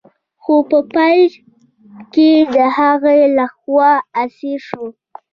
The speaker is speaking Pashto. خو په پای کې د هغه لخوا اسیر شو.